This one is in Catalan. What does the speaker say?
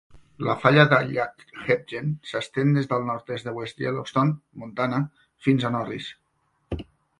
La falla del llac Hebgen s'estén des del nord-est de West Yellowstone, Montana, fins a Norris.